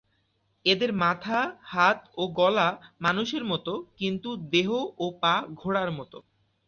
এদের মাথা, হাত ও গলা মানুষের মত কিন্তু দেহ ও পা ঘোড়ার মতো।